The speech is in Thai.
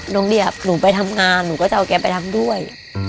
เดียบหนูไปทำงานหนูก็จะเอาแกไปทำด้วย